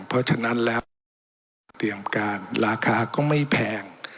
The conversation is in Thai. เพราะฉะนั้นแล้วการเตรียมการราคาก็ไม่แพง